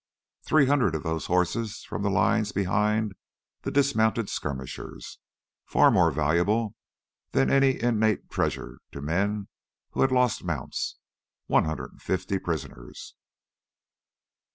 Three hundred of those horses from the lines behind the dismounted skirmishers far more valuable than any inanimate treasure to men who had lost mounts one hundred and fifty prisoners.